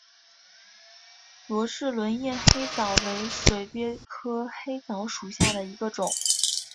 罗氏轮叶黑藻为水鳖科黑藻属下的一个种。